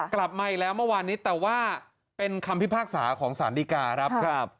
กลับมาอีกแล้วเมื่อวานนี้แต่ว่าเป็นคำพิพากษาของสารดีกาครับ